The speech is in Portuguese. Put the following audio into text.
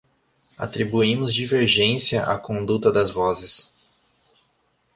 Atribuímos divergência à conduta das vozes.